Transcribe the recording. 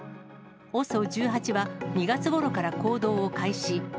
ＯＳＯ１８は、２月ごろから行動を開始。